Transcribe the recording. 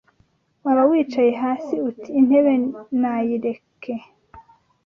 Waba wicaye hasi Uti: intebe nayireke